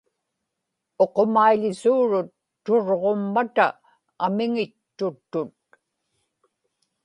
uqumaiḷisuurut turġummata amiŋit tuttut